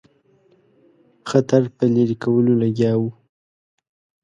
خطر په لیري کولو لګیا وو.